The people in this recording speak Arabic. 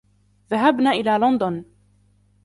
ذهبنا إلى لندن.